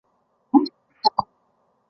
行政上由庞卡杰内和群岛县管理。